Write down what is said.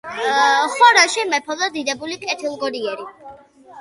ხორასანში მეფობდა დიდებული, კეთილგონიერი